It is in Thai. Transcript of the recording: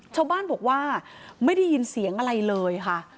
ชาวบ้านบอกว่าไม่ได้ยินเสียงอะไรเลยค่ะ